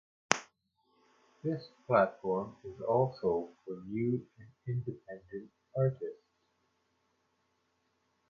This platform is also for new and independent artists.